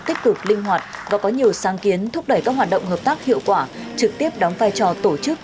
tích cực linh hoạt và có nhiều sáng kiến thúc đẩy các hoạt động hợp tác hiệu quả trực tiếp đóng vai trò tổ chức